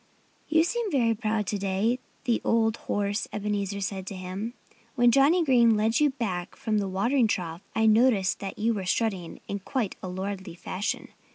"You seem very proud to day," the old horse Ebenezer said to him. "When Johnnie Green led you back from the watering trough I noticed that you were strutting in quite a lordly fashion.